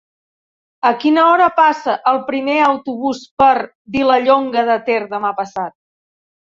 A quina hora passa el primer autobús per Vilallonga de Ter demà passat?